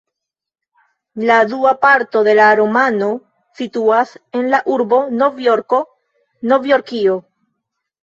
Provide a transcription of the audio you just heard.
La dua parto de la romano situas en la urbo Novjorko, Novjorkio.